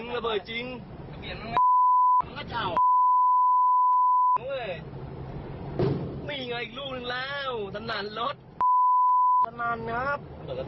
ระเบิดมืออย่างนี้กระทบมือใช่ไหม